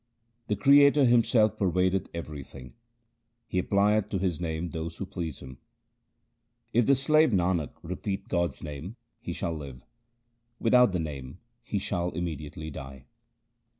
The Creator Himself pervadeth everything : He applieth to His name those who please Him. If the slave Nanak repeat God's name, he shall live ; with out the Name he shall immediately die.